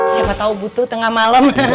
siapa tau butuh tengah malem